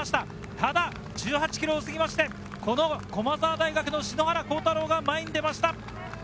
ただ１８ｋｍを過ぎまして、この駒澤大学・篠原倖太朗が前に出ました。